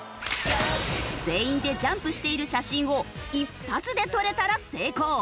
全員でジャンプしている写真を一発で撮れたら成功。